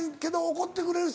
怒ってくれる人。